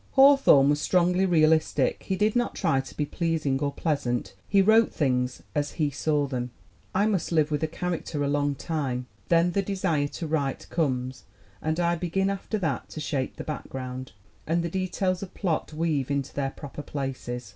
Hawthorne was strongly realistic. He did not try to be pleasing or pleasant. He wrote things as he saw them. "I must live with a character a long time. Then the desire to write comes and I begin after that to shape the background, and the details of plot weave into their proper places.